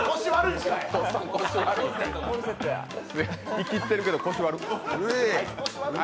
イキってるけど、腰悪っ。